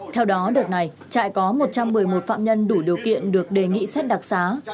theo đó đợt này trại có một trăm một mươi một phạm nhân đủ điều kiện được đề nghị xét đặc xá